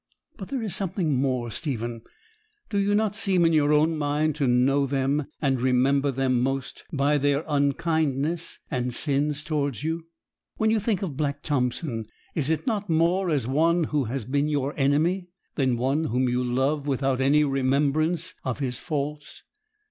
But there is something more, Stephen. Do you not seem in your own mind to know them, and remember them most, by their unkindness and sins towards you? When you think of Black Thompson, is it not more as one who has been your enemy than one whom you love without any remembrance of his faults?